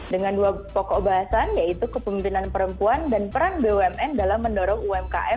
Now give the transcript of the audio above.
dengan dua pokok bahasan yaitu kepemimpinan perempuan dan peran bumn dalam mendorong umkm